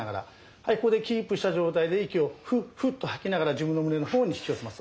はいここでキープした状態で息をフッフッと吐きながら自分の胸の方に引き寄せます。